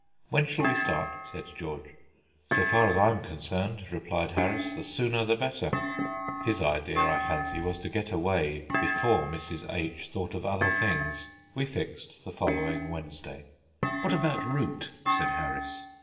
"When shall we start?" said George. "So far as I am concerned," replied Harris, "the sooner the better." His idea, I fancy, was to get away before Mrs. H. thought of other things. We fixed the following Wednesday. "What about route?" said Harris.